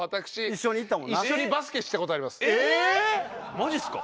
マジですか？